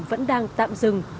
vẫn đang tạm dừng